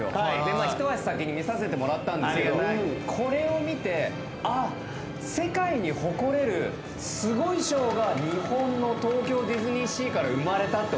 一足先に見させてもらったんですけどこれを見てあっ世界に誇れるすごいショーが日本の東京ディズニーシーから生まれたって思ったんです。